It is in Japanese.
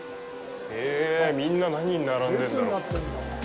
みんな何に並んでんだろう。